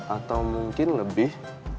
atau mungkin lebih